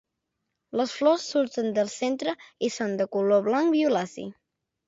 Les flors surten del centre i són de color blanc violaci.